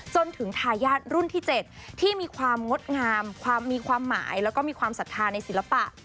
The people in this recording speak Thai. ทายาทรุ่นที่๗ที่มีความงดงามความมีความหมายแล้วก็มีความศรัทธาในศิลปะ